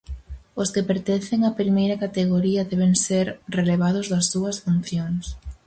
Os que pertencen á primeira categoría deben ser "relevados das súas funcións".